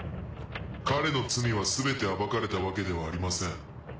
彼の罪は全て暴かれたわけではありません。